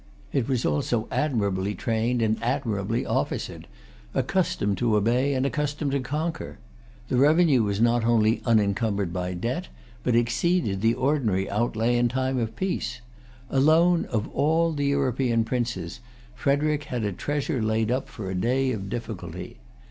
It was also admirably trained and admirably officered, accustomed to obey and accustomed to conquer. The revenue was not only unencumbered by debt, but exceeded the ordinary outlay in time of peace. Alone of all the European princes, Frederic had a treasure laid up for a day of difficulty.